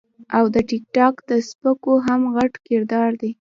او د ټک ټاک د سپکو هم غټ کردار دے -